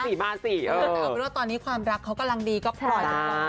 แต่เอาเป็นว่าตอนนี้ความรักเขากำลังดีก็ปล่อยออกมา